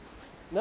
何？